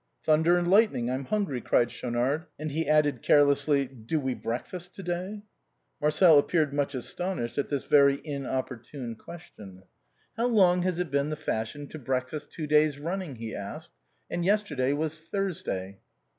" Thunder and lightning ! it's hungry !" cried Schau nard. And he added carelessly, " Do we breakfast to day ?" Marcel appeared much astonished at this very inoppor tune question, " How long has it been the fashion to breakfast two days running ?" he asked. "And yesterday was Thursday."